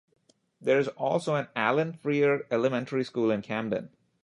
There is also an Allen Frear Elementary School in Camden.